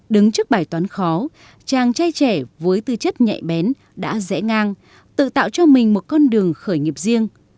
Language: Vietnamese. đứng trước bài toán khó chàng trai trẻ với tư chất nhạy bén đã rẽ ngang tự tạo cho mình một con đường khởi nghiệp riêng